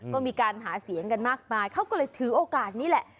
ก็มีการหาเสียงกันมากมายเขาก็เลยถือโอกาสนี้แหละ